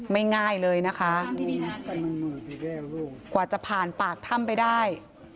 ง่ายเลยนะคะกว่าจะผ่านปากถ้ำไปได้